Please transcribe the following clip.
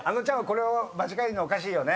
これを間違えるのおかしいよね？